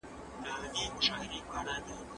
افغانستان کي د خصوصي سکتور لپاره بازار موندنه سخته ده.